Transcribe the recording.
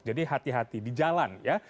jadi hati hati di jalan ya